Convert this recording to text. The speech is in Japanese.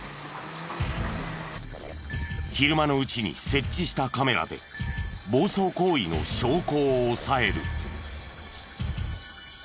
昼間のうちに設置したカメラで暴走行為の証拠を押さえる。